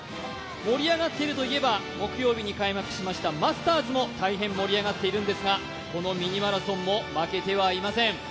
盛り上がっているというと木曜日に開幕したマスターズも大変盛り上がっているんですがこの「ミニマラソン」も負けてはいません。